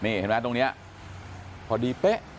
นี่เห็นไหมตรงนี้พอดีเป๊ะ